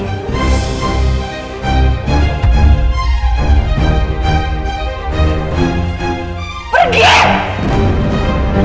apa lo ngapain masih disini